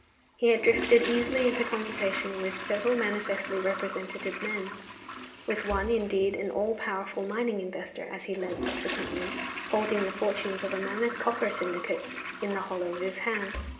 He had drifted easily into conversation with several manifestly representative men: with one, indeed, an all powerful mining investor (as he learnt subsequently), holding the fortunes of a mammoth copper syndicate in the hollow of his hand.